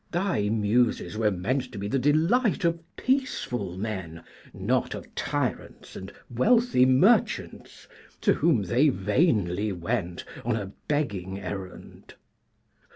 Thy Muses were meant to be the delight of peaceful men, not of tyrants and wealthy merchants, to whom they vainly went on a begging errand.